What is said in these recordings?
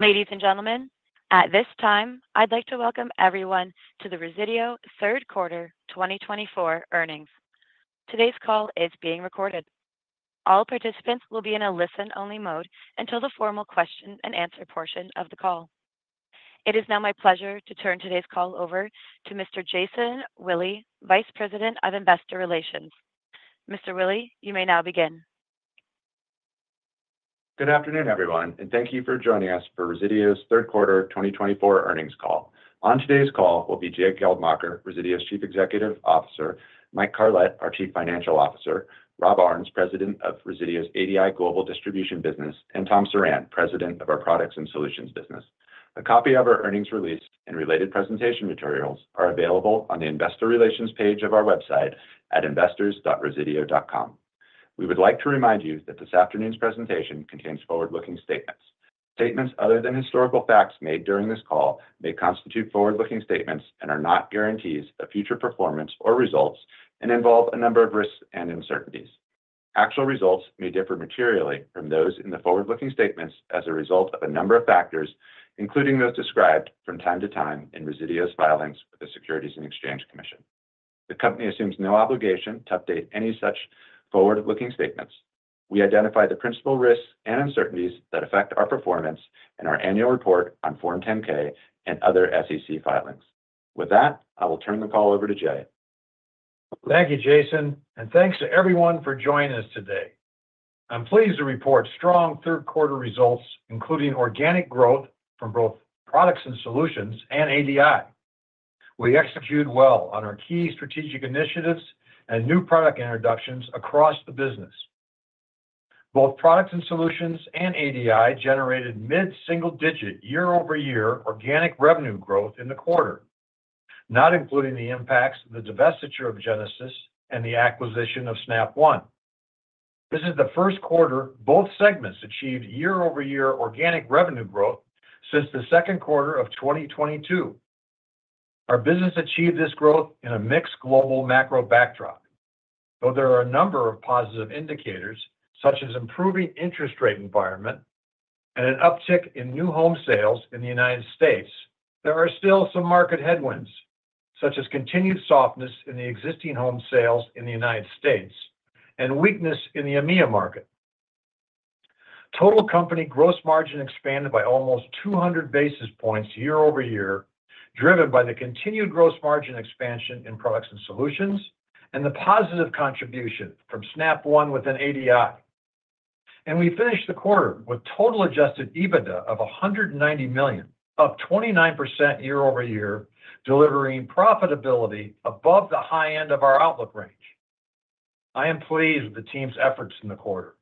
Ladies and gentlemen, at this time, I'd like to welcome everyone to the Resideo Third Quarter 2024 earnings. Today's call is being recorded. All participants will be in a listen-only mode until the formal question-and-answer portion of the call. It is now my pleasure to turn today's call over to Mr. Jason Willey, Vice President of Investor Relations. Mr. Willey, you may now begin. Good afternoon, everyone, and thank you for joining us for Resideo's Third Quarter 2024 earnings call. On today's call will be Jay Geldmacher, Resideo's Chief Executive Officer, Mike Carlet, our Chief Financial Officer, Rob Aarnes, President of Resideo's ADI Global Distribution Business, and Tom Surran, President of our Products and Solutions Business. A copy of our earnings release and related presentation materials are available on the Investor Relations page of our website at investors.resideo.com. We would like to remind you that this afternoon's presentation contains forward-looking statements. Statements other than historical facts made during this call may constitute forward-looking statements and are not guarantees of future performance or results and involve a number of risks and uncertainties. Actual results may differ materially from those in the forward-looking statements as a result of a number of factors, including those described from time to time in Resideo's filings with the Securities and Exchange Commission. The company assumes no obligation to update any such forward-looking statements. We identify the principal risks and uncertainties that affect our performance in our annual report on Form 10-K and other SEC filings. With that, I will turn the call over to Jay. Thank you, Jason, and thanks to everyone for joining us today. I'm pleased to report strong third-quarter results, including organic growth from both products and solutions and ADI. We executed well on our key strategic initiatives and new product introductions across the business. Both products and solutions and ADI generated mid-single-digit year-over-year organic revenue growth in the quarter, not including the impacts of the divestiture of Genesis and the acquisition of Snap One. This is the Q1 both segments achieved year-over-year organic revenue growth since the Q2 of 2022. Our business achieved this growth in a mixed global macro backdrop. Though there are a number of positive indicators, such as an improving interest rate environment and an uptick in new home sales in the United States, there are still some market headwinds, such as continued softness in the existing home sales in the United States and weakness in the EMEA market. Total company gross margin expanded by almost 200 basis points year-over-year, driven by the continued gross margin expansion in products and solutions and the positive contribution from Snap One within ADI. And we finished the quarter with total adjusted EBITDA of $190 million, up 29% year-over-year, delivering profitability above the high end of our outlook range. I am pleased with the team's efforts in the quarter.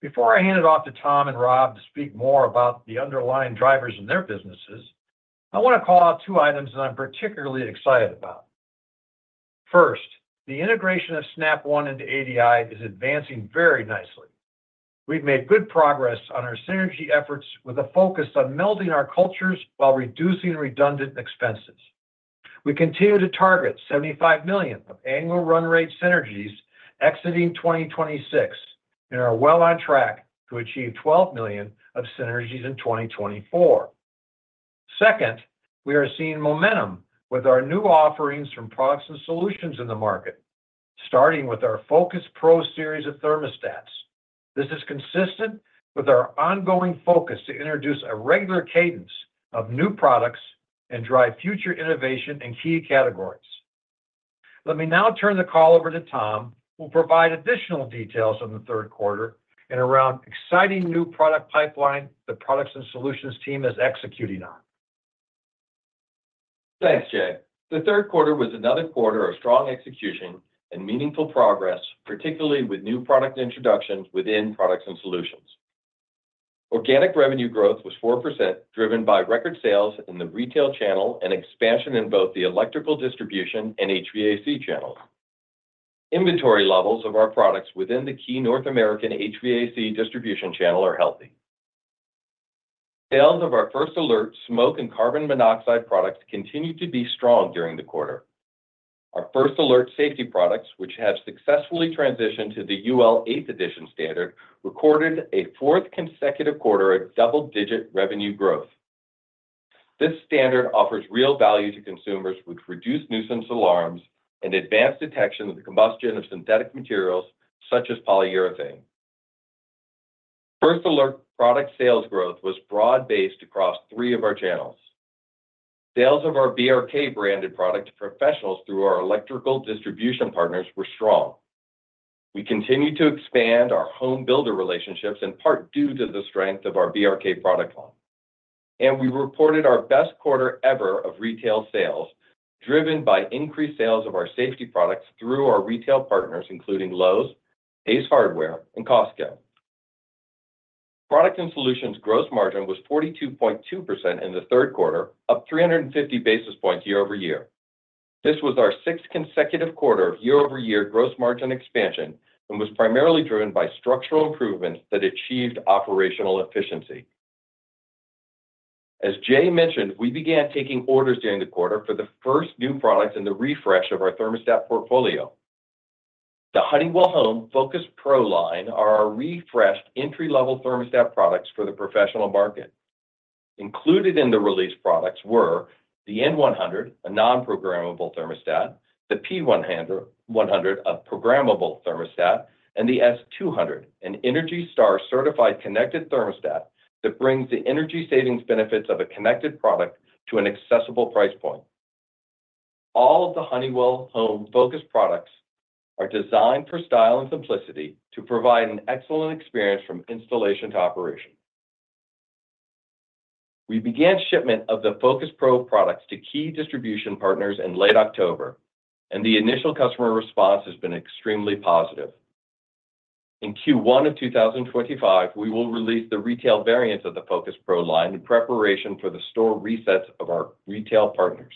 Before I hand it off to Tom and Rob to speak more about the underlying drivers in their businesses, I want to call out two items that I'm particularly excited about. First, the integration of Snap One into ADI is advancing very nicely. We've made good progress on our synergy efforts with a focus on melding our cultures while reducing redundant expenses. We continue to target $75 million of annual run rate synergies exiting 2026, and are well on track to achieve $12 million of synergies in 2024. Second, we are seeing momentum with our new offerings from products and solutions in the market, starting with our FocusPRO series of thermostats. This is consistent with our ongoing focus to introduce a regular cadence of new products and drive future innovation in key categories. Let me now turn the call over to Tom, who will provide additional details on the Q3 and around exciting new product pipeline the products and solutions team is executing on. Thanks, Jay. The Q3 was another quarter of strong execution and meaningful progress, particularly with new product introductions within products and solutions. Organic revenue growth was 4%, driven by record sales in the retail channel and expansion in both the electrical distribution and HVAC channels. Inventory levels of our products within the key North American HVAC distribution channel are healthy. Sales of our First Alert smoke and carbon monoxide products continued to be strong during the quarter. Our First Alert safety products, which have successfully transitioned to the UL Eighth Edition standard, recorded a fourth consecutive quarter of double-digit revenue growth. This standard offers real value to consumers, which reduces nuisance alarms and advanced detection of the combustion of synthetic materials such as polyurethane. First Alert product sales growth was broad-based across three of our channels. Sales of our BRK branded product to professionals through our electrical distribution partners were strong. We continue to expand our home builder relationships, in part due to the strength of our BRK product line. And we reported our best quarter ever of retail sales, driven by increased sales of our safety products through our retail partners, including Lowe's, Ace Hardware, and Costco. Product and solutions gross margin was 42.2% in the Q3, up 350 basis points year-over-year. This was our sixth consecutive quarter of year-over-year gross margin expansion and was primarily driven by structural improvements that achieved operational efficiency. As Jay mentioned, we began taking orders during the quarter for the first new products in the refresh of our thermostat portfolio. The Honeywell Home FocusPRO line are our refreshed entry-level thermostat products for the professional market. Included in the released products were the N100, a non-programmable thermostat, the P100, a programmable thermostat, and the S200, an Energy Star certified connected thermostat that brings the energy savings benefits of a connected product to an accessible price point. All of the Honeywell Home FocusPRO products are designed for style and simplicity to provide an excellent experience from installation to operation. We began shipment of the FocusPRO products to key distribution partners in late October, and the initial customer response has been extremely positive. In Q1 of 2025, we will release the retail variants of the FocusPRO line in preparation for the store resets of our retail partners.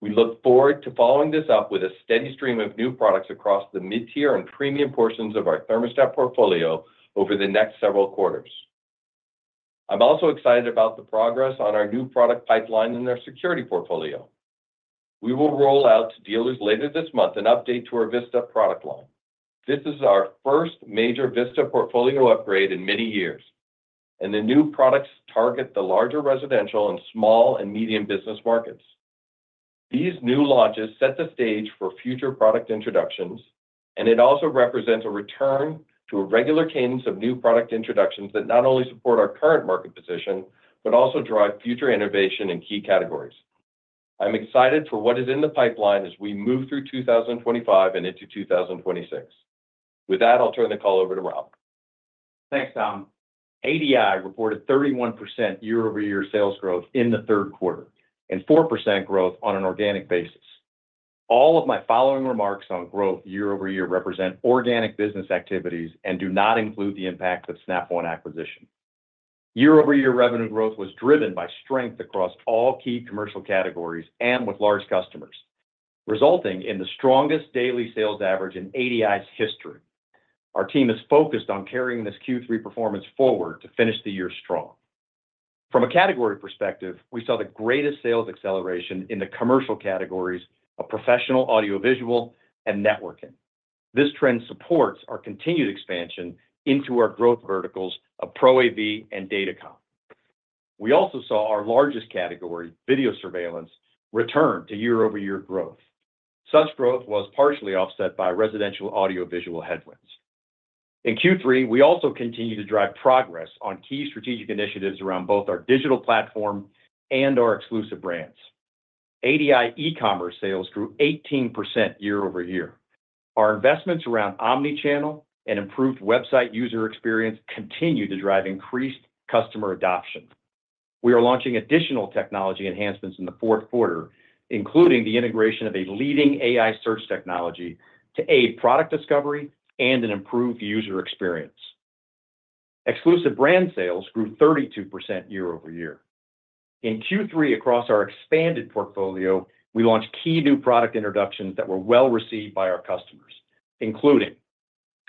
We look forward to following this up with a steady stream of new products across the mid-tier and premium portions of our thermostat portfolio over the next several quarters. I'm also excited about the progress on our new product pipeline in our security portfolio. We will roll out to dealers later this month an update to our Vista product line. This is our first major Vista portfolio upgrade in many years, and the new products target the larger residential and small and medium business markets. These new launches set the stage for future product introductions, and it also represents a return to a regular cadence of new product introductions that not only support our current market position but also drive future innovation in key categories. I'm excited for what is in the pipeline as we move through 2025 and into 2026. With that, I'll turn the call over to Rob. Thanks, Tom. ADI reported 31% year-over-year sales growth in the Q3 and 4% growth on an organic basis. All of my following remarks on growth year-over-year represent organic business activities and do not include the impact of Snap One acquisition. Year-over-year revenue growth was driven by strength across all key commercial categories and with large customers, resulting in the strongest daily sales average in ADI's history. Our team is focused on carrying this Q3 performance forward to finish the year strong. From a category perspective, we saw the greatest sales acceleration in the commercial categories of professional audiovisual and networking. This trend supports our continued expansion into our growth verticals of Pro AV and DataCom. We also saw our largest category, video surveillance, return to year-over-year growth. Such growth was partially offset by residential audiovisual headwinds. In Q3, we also continued to drive progress on key strategic initiatives around both our digital platform and our exclusive brands. ADI e-commerce sales grew 18% year-over-year. Our investments around omnichannel and improved website user experience continue to drive increased customer adoption. We are launching additional technology enhancements in the Q4, including the integration of a leading AI search technology to aid product discovery and an improved user experience. Exclusive brand sales grew 32% year-over-year. In Q3, across our expanded portfolio, we launched key new product introductions that were well received by our customers, including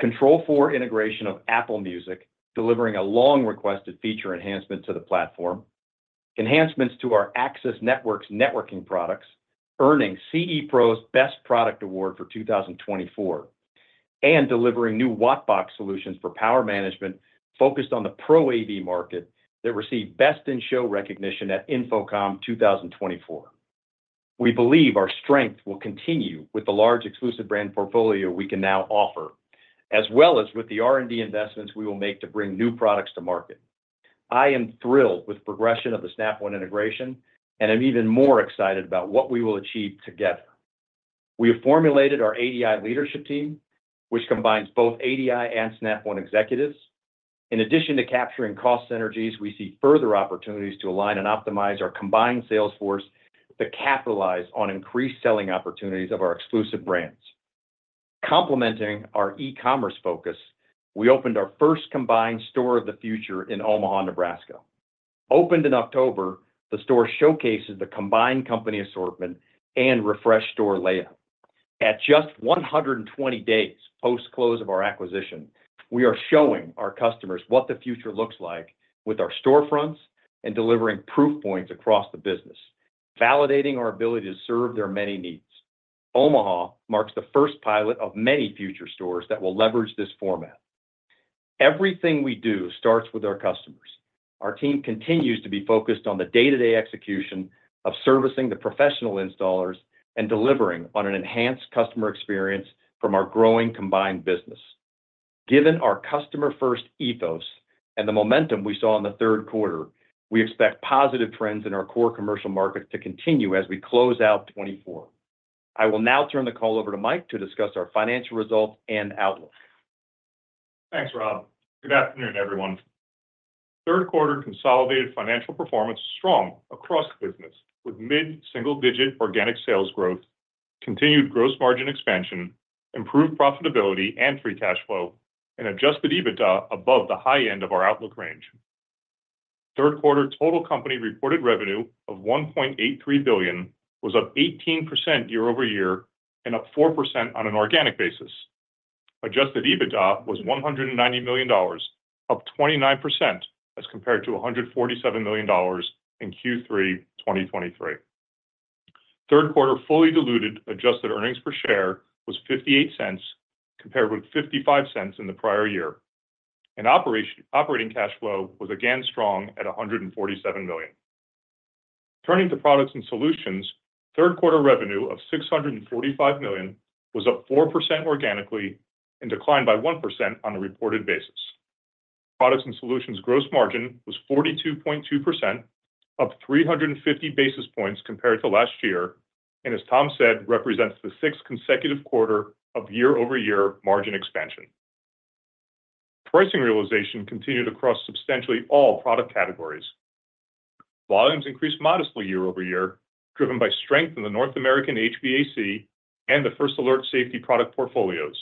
Control4 integration of Apple Music, delivering a long-requested feature enhancement to the platform. Enhancements to our Access Networks networking products, earning CE Pro's Best Product Award for 2024. And delivering new Wattbox solutions for power management focused on the Pro AV market that received Best in Show recognition at InfoComm 2024. We believe our strength will continue with the large exclusive brand portfolio we can now offer, as well as with the R&D investments we will make to bring new products to market. I am thrilled with the progression of the Snap One integration, and I'm even more excited about what we will achieve together. We have formulated our ADI leadership team, which combines both ADI and Snap One executives. In addition to capturing cost synergies, we see further opportunities to align and optimize our combined sales force to capitalize on increased selling opportunities of our exclusive brands. Complementing our e-commerce focus, we opened our first combined store of the future in Omaha, Nebraska. Opened in October, the store showcases the combined company assortment and refreshed store layout. At just 120 days post-close of our acquisition, we are showing our customers what the future looks like with our storefronts and delivering proof points across the business, validating our ability to serve their many needs. Omaha marks the first pilot of many future stores that will leverage this format. Everything we do starts with our customers. Our team continues to be focused on the day-to-day execution of servicing the professional installers and delivering on an enhanced customer experience from our growing combined business. Given our customer-first ethos and the momentum we saw in the Q3, we expect positive trends in our core commercial market to continue as we close out 2024. I will now turn the call over to Mike to discuss our financial results and outlook. Thanks, Rob. Good afternoon, everyone. Third quarter consolidated financial performance strong across the business with mid-single-digit organic sales growth, continued gross margin expansion, improved profitability and Free Cash Flow, and Adjusted EBITDA above the high end of our outlook range. Third quarter total company reported revenue of $1.83 billion was up 18% year-over-year and up 4% on an organic basis. Adjusted EBITDA was $190 million, up 29% as compared to $147 million in Q3 2023. Third quarter fully diluted adjusted earnings per share was $0.58, compared with $0.55 in the prior year, and operating cash flow was again strong at $147 million. Turning to Products and Solutions, Q3 revenue of $645 million was up 4% organically and declined by 1% on a reported basis. Products and Solutions gross margin was 42.2%, up 350 basis points compared to last year, and as Tom said, represents the sixth consecutive quarter of year-over-year margin expansion. Pricing realization continued across substantially all product categories. Volumes increased modestly year-over-year, driven by strength in the North American HVAC and the First Alert safety product portfolios.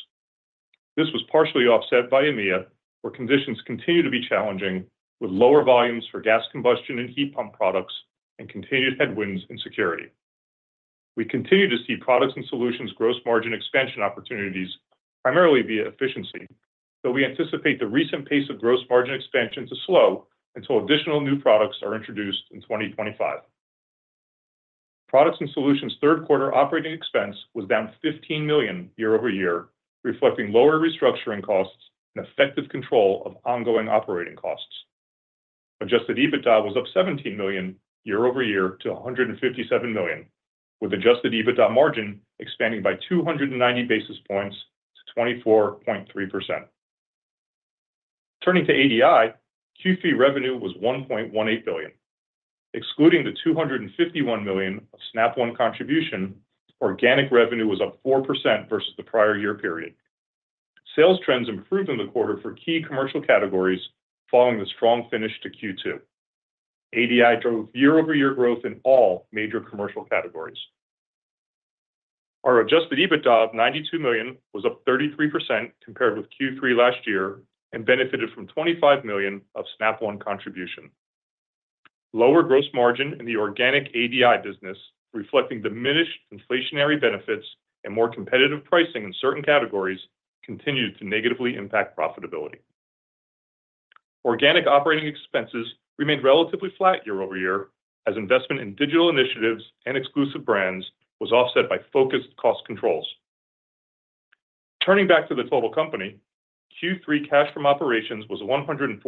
This was partially offset by EMEA, where conditions continue to be challenging with lower volumes for gas combustion and heat pump products and continued headwinds in security. We continue to see Products and Solutions gross margin expansion opportunities primarily via efficiency, though we anticipate the recent pace of gross margin expansion to slow until additional new products are introduced in 2025. Products and Solutions Q3 operating expense was down $15 million year-over-year, reflecting lower restructuring costs and effective control of ongoing operating costs. Adjusted EBITDA was up $17 million year-over-year to $157 million, with adjusted EBITDA margin expanding by 290 basis points to 24.3%. Turning to ADI, Q3 revenue was $1.18 billion. Excluding the $251 million of Snap One contribution, organic revenue was up 4% versus the prior year period. Sales trends improved in the quarter for key commercial categories following the strong finish to Q2. ADI drove year-over-year growth in all major commercial categories. Our adjusted EBITDA of $92 million was up 33% compared with Q3 last year and benefited from $25 million of Snap One contribution. Lower gross margin in the organic ADI business, reflecting diminished inflationary benefits and more competitive pricing in certain categories, continued to negatively impact profitability. Organic operating expenses remained relatively flat year-over-year as investment in digital initiatives and exclusive brands was offset by focused cost controls. Turning back to the total company, Q3 cash from operations was $147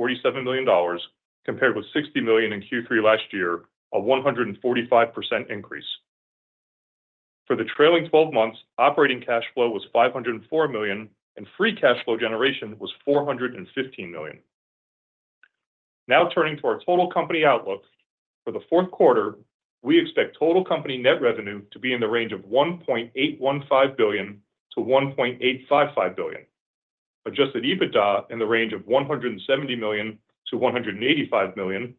million compared with $60 million in Q3 last year, a 145% increase. For the trailing 12 months, operating cash flow was $504 million, and Free Cash Flow generation was $415 million. Now turning to our total company outlook, for the Q4, we expect total company net revenue to be in the range of $1.815 billion-$1.855 billion, Adjusted EBITDA in the range of $170 million-$185 million,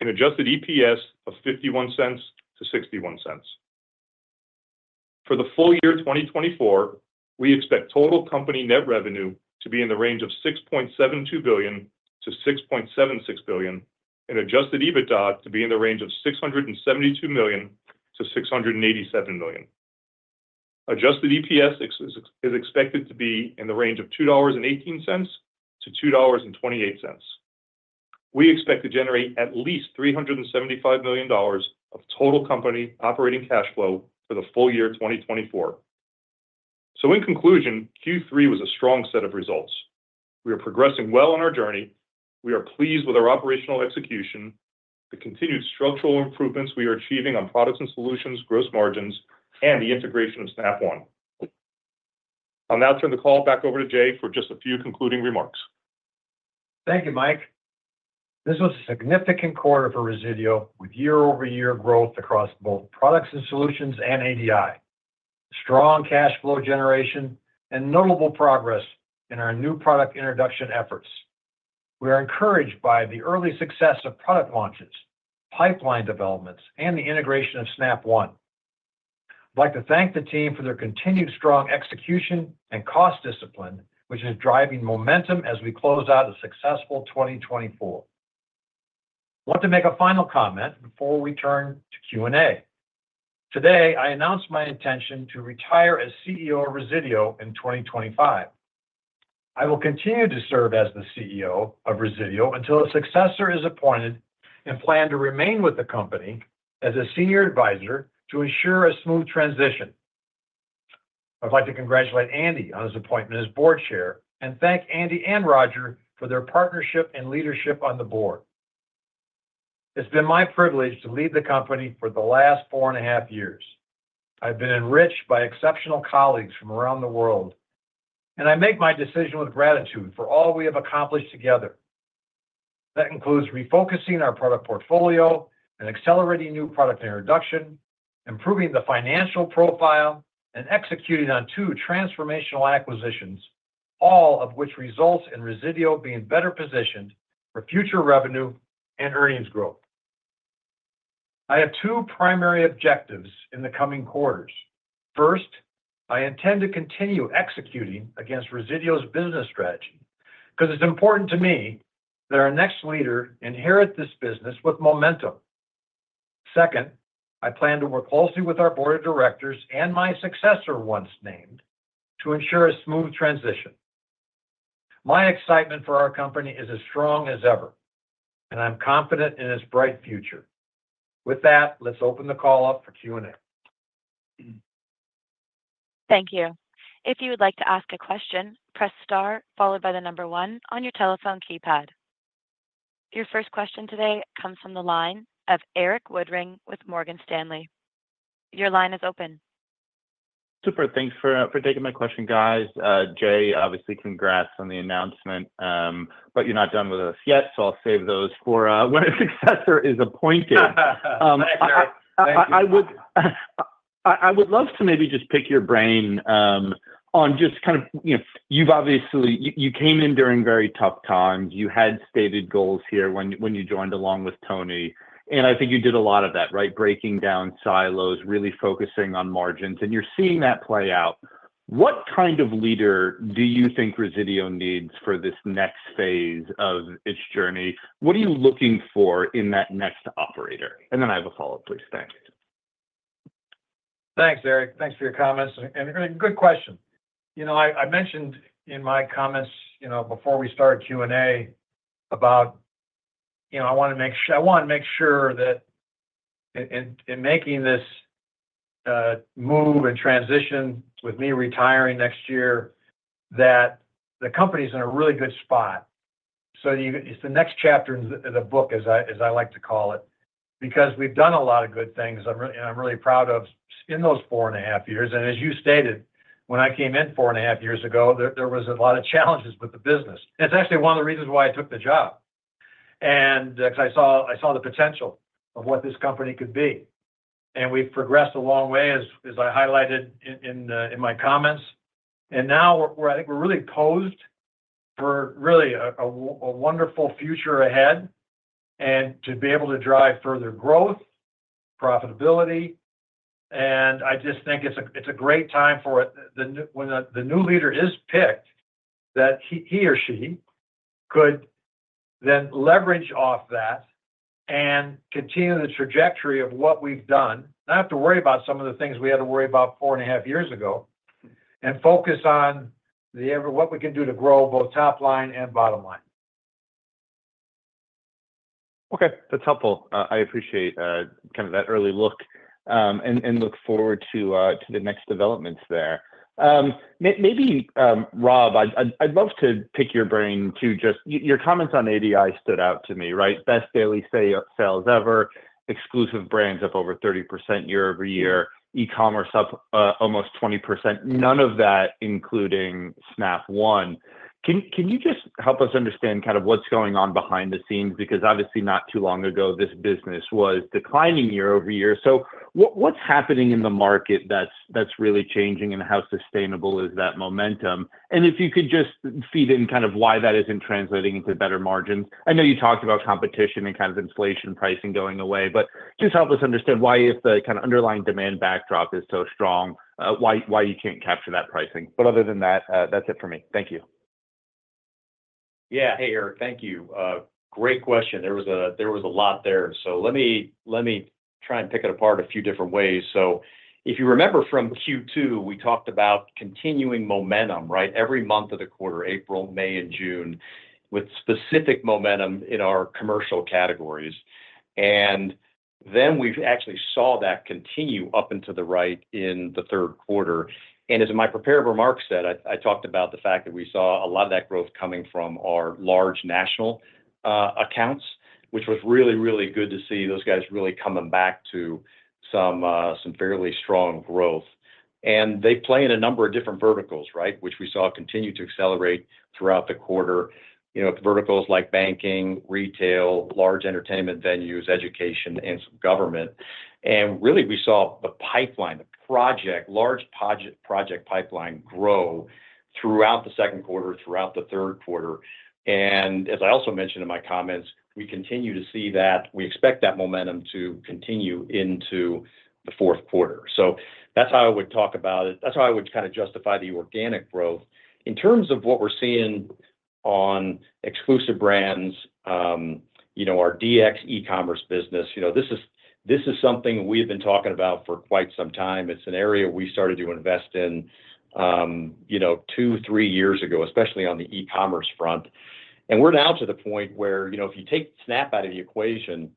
and Adjusted EPS of $0.51-$0.61. For the full year 2024, we expect total company net revenue to be in the range of $6.72 billion-$6.76 billion, and Adjusted EBITDA to be in the range of $672 million-$687 million. Adjusted EPS is expected to be in the range of $2.18-$2.28. We expect to generate at least $375 million of total company operating cash flow for the full year 2024. So in conclusion, Q3 was a strong set of results. We are progressing well on our journey. We are pleased with our operational execution, the continued structural improvements we are achieving on products and solutions, gross margins, and the integration of Snap One. I'll now turn the call back over to Jay for just a few concluding remarks. Thank you, Mike. This was a significant quarter for Resideo with year-over-year growth across both products and solutions and ADI, strong cash flow generation, and notable progress in our new product introduction efforts. We are encouraged by the early success of product launches, pipeline developments, and the integration of Snap One. I'd like to thank the team for their continued strong execution and cost discipline, which is driving momentum as we close out a successful 2024. I want to make a final comment before we turn to Q&A. Today, I announced my intention to retire as CEO of Resideo in 2025. I will continue to serve as the CEO of Resideo until a successor is appointed and plan to remain with the company as a senior advisor to ensure a smooth transition. I'd like to congratulate Andy on his appointment as board chair and thank Andy and Roger for their partnership and leadership on the board. It's been my privilege to lead the company for the last four and a half years. I've been enriched by exceptional colleagues from around the world, and I make my decision with gratitude for all we have accomplished together. That includes refocusing our product portfolio and accelerating new product introduction, improving the financial profile, and executing on two transformational acquisitions, all of which results in Resideo being better positioned for future revenue and earnings growth. I have two primary objectives in the coming quarters. First, I intend to continue executing against Resideo's business strategy because it's important to me that our next leader inherit this business with momentum. Second, I plan to work closely with our board of directors and my successor once named to ensure a smooth transition. My excitement for our company is as strong as ever, and I'm confident in its bright future. With that, let's open the call up for Q&A. Thank you. If you would like to ask a question, press star, followed by the number one on your telephone keypad. Your first question today comes from the line of Erik Woodring with Morgan Stanley. Your line is open. Super. Thanks for taking my question, guys. Jay, obviously, congrats on the announcement, but you're not done with us yet, so I'll save those for when a successor is appointed. I would love to maybe just pick your brain on just kind of, you've obviously, you came in during very tough times. You had stated goals here when you joined along with Tony, and I think you did a lot of that, right? Breaking down silos, really focusing on margins, and you're seeing that play out. What kind of leader do you think Resideo needs for this next phase of its journey? What are you looking for in that next operator? And then I have a follow-up, please. Thanks. Thanks, Eric. Thanks for your comments. And a good question. You know, I mentioned in my comments before we started Q&A about, you know, I want to make sure that in making this move and transition with me retiring next year, that the company's in a really good spot. So it's the next chapter in the book, as I like to call it, because we've done a lot of good things, and I'm really proud of in those four and a half years. And as you stated, when I came in four and a half years ago, there were a lot of challenges with the business. It's actually one of the reasons why I took the job, and because I saw the potential of what this company could be. And we've progressed a long way, as I highlighted in my comments. And now I think we're really posed for really a wonderful future ahead and to be able to drive further growth, profitability. And I just think it's a great time for when the new leader is picked, that he or she could then leverage off that and continue the trajectory of what we've done. Not have to worry about some of the things we had to worry about four and a half years ago and focus on what we can do to grow both top line and bottom line. Okay. That's helpful. I appreciate kind of that early look and look forward to the next developments there. Maybe, Rob, I'd love to pick your brain too. Just your comments on ADI stood out to me, right? Best daily sales ever, exclusive brands up over 30% year-over-year, e-commerce up almost 20%. None of that, including Snap One. Can you just help us understand kind of what's going on behind the scenes? Because obviously, not too long ago, this business was declining year-over-year. So what's happening in the market that's really changing, and how sustainable is that momentum? And if you could just feed in kind of why that isn't translating into better margins. I know you talked about competition and kind of inflation pricing going away, but just help us understand why, if the kind of underlying demand backdrop is so strong, why you can't capture that pricing. But other than that, that's it for me. Thank you. Yeah. Hey, Eric, thank you. Great question. There was a lot there. So let me try and pick it apart a few different ways. So if you remember from Q2, we talked about continuing momentum, right? Every month of the quarter, April, May, and June, with specific momentum in our commercial categories. And then we've actually saw that continue up into Q3, right, in the Q3. And as my prepared remarks said, I talked about the fact that we saw a lot of that growth coming from our large national accounts, which was really, really good to see those guys really coming back to some fairly strong growth. And they play in a number of different verticals, right, which we saw continue to accelerate throughout the quarter, verticals like banking, retail, large entertainment venues, education, and government. Really, we saw the pipeline, the project, large project pipeline grow throughout the Q2, throughout the Q3. As I also mentioned in my comments, we continue to see that we expect that momentum to continue into the Q4. That's how I would talk about it. That's how I would kind of justify the organic growth. In terms of what we're seeing on exclusive brands, our DX e-commerce business, this is something we've been talking about for quite some time. It's an area we started to invest in two, three years ago, especially on the e-commerce front. We're now to the point where, if you take Snap out of the equation,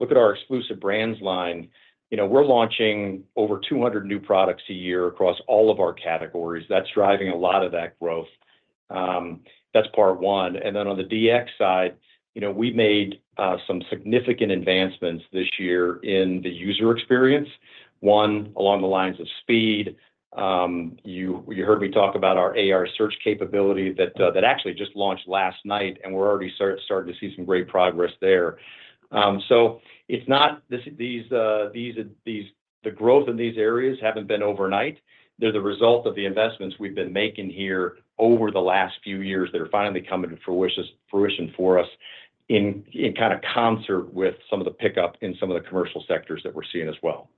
look at our exclusive brands line, we're launching over 200 new products a year across all of our categories. That's driving a lot of that growth. That's part one. And then on the DX side, we made some significant advancements this year in the user experience, one along the lines of speed. You heard me talk about our AR search capability that actually just launched last night, and we're already starting to see some great progress there. So it's not the growth in these areas hasn't been overnight. They're the result of the investments we've been making here over the last few years that are finally coming to fruition for us in kind of concert with some of the pickup in some of the commercial sectors that we're seeing as well.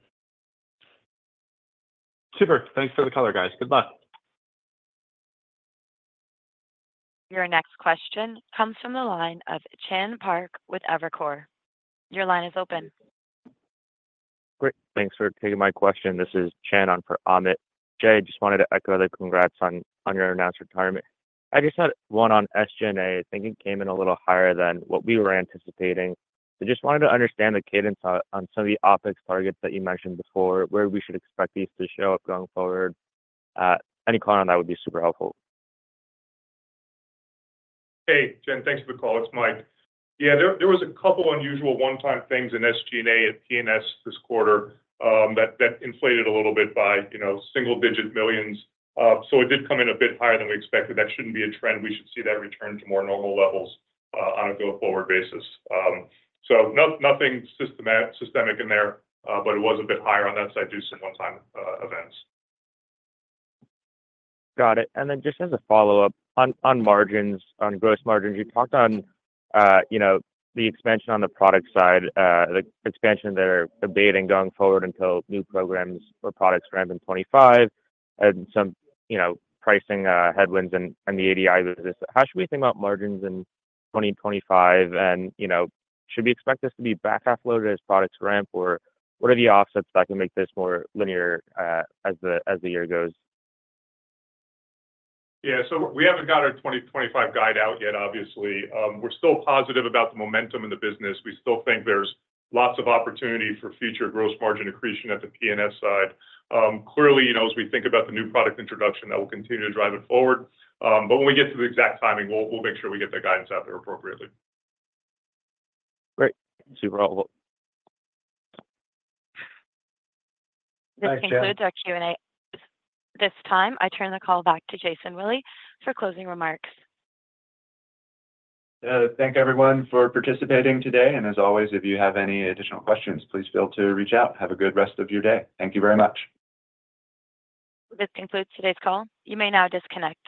Super. Thanks for the color, guys. Good luck. Your next question comes from the line of Chan Park with Evercore. Your line is open. Great. Thanks for taking my question. This is Chan for Amit. Jay, I just wanted to echo the congrats on your announced retirement. I just had one on SG&A. I think it came in a little higher than what we were anticipating. I just wanted to understand the cadence on some of the OpEx targets that you mentioned before, where we should expect these to show up going forward. Any comment on that would be super helpful. Hey, Chan, thanks for the call. It's Mike. Yeah, there was a couple of unusual one-time things in SG&A at P&S this quarter that inflated a little bit by single-digit millions. So it did come in a bit higher than we expected. That shouldn't be a trend. We should see that return to more normal levels on a go-forward basis. So nothing systemic in there, but it was a bit higher on that side due to some one-time events. Got it. And then just as a follow-up on margins, on gross margins, you talked on the expansion on the product side, the expansion that are abating going forward until new programs or products ramp in 2025, and some pricing headwinds and the ADI business. How should we think about margins in 2025? And should we expect this to be back half-loaded as products ramp, or what are the offsets that can make this more linear as the year goes? Yeah. So we haven't got our 2025 guide out yet, obviously. We're still positive about the momentum in the business. We still think there's lots of opportunity for future gross margin accretion at the P&S side. Clearly, as we think about the new product introduction, that will continue to drive it forward. But when we get to the exact timing, we'll make sure we get the guidance out there appropriately. Great. Super helpful. Thanks again for the Q&A. This time, I turn the call back to Jason Willey for closing remarks. Thank everyone for participating today. And as always, if you have any additional questions, please feel free to reach out. Have a good rest of your day. Thank you very much. This concludes today's call. You may now disconnect.